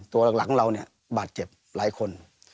ตัวหลังเราเนี่ยบาดเจ็บหลายคน